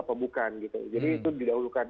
atau bukan gitu jadi itu didahulukan